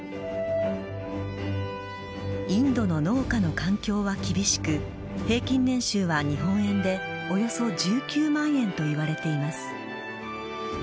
インドの農家の環境は厳しく平均年収は日本円でおよそ１９万円といわれています。